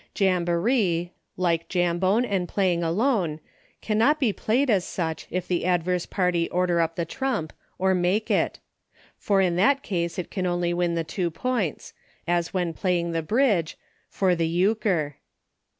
Jamboree, like Jambone, and Play ing Alone, cannot be played, as such, if the adverse party order up the trump, or m^ke it ; for in that case it can only win the two points — as when playing the Bridge — for the Euchre.